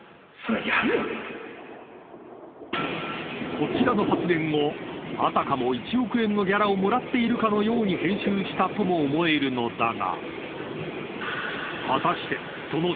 ［こちらの発言をあたかも１億円のギャラをもらっているかのように編集したとも思えるのだが］